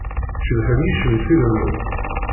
Cebḥen yicenfiren-nwen.